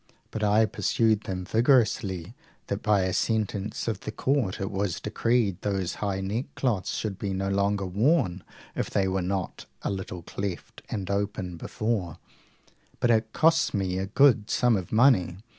But I pursued them so vigorously, that by a sentence of the court it was decreed those high neckcloths should be no longer worn if they were not a little cleft and open before; but it cost me a good sum of money.